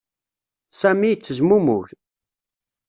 Sami yettezmumug.